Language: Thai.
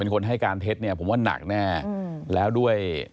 ความถูกเท็จ